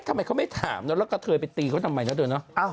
ทำไมเขาไม่ถามแล้วกระเทยไปตีเขาทำไมนะเธอเนอะ